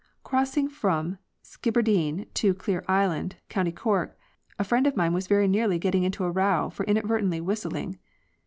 Crossing from Skib bereen to Clear island, county Cork, a friend of mine was very nearly getting into a row for inadvertently whistling."